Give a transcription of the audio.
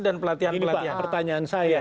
dan pelatihan pelatihan ini pak pertanyaan saya